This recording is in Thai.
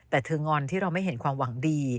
แต่เธองอนที่เราไม่เห็นความหวังดี